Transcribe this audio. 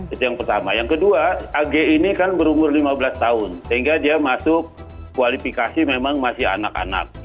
itu yang pertama yang kedua ag ini kan berumur lima belas tahun sehingga dia masuk kualifikasi memang masih anak anak